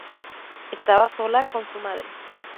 Estaba sola con su madre.